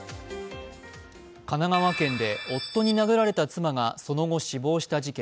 神奈川県で夫に殴られた妻がその後、死亡した事件。